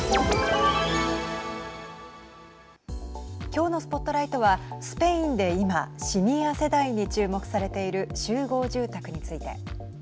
今日のＳＰＯＴＬＩＧＨＴはスペインで今シニア世代に注目されている集合住宅について。